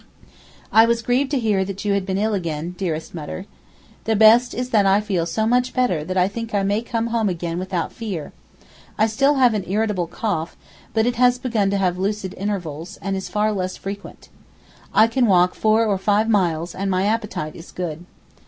I was grieved to hear that you had been ill again, dearest Mutter. The best is that I feel so much better that I think I may come home again without fear; I still have an irritable cough, but it has begun to have lucid intervals, and is far less frequent. I can walk four or five miles and my appetite is good.